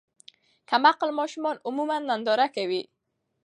کم عقل ماشومان عموماً ننداره کوي.